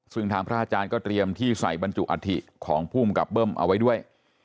ซึ่งทางพระอาจารย์ก็เตรียมที่ใส่บรรจุอัฐิของภูมิกับเบิ้มเอาไว้ด้วย